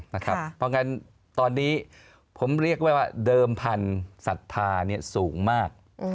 เพราะงั้นตอนนี้ผมเรียกไว้ว่าเดิมพันธุ์ศรัทธาสูงมาก